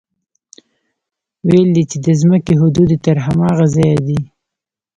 ويل يې چې د ځمکې حدود يې تر هماغه ځايه دي.